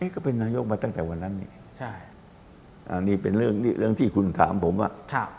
ก็เป็นนายกมาตั้งแต่วันนั้นนี่ใช่อันนี้เป็นเรื่องที่คุณถามผมว่า